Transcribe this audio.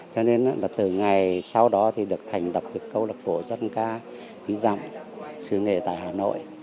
cho nên từ ngày sau đó được thành lập câu lạc bộ dân ca ví dạng sứ nghệ tại hà nội